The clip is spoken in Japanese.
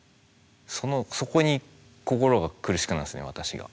そのそこに心が苦しくなるんですね私が。